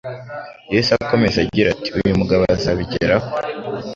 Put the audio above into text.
Yahise akomeza agira ati Uyu mugabo azabigeraho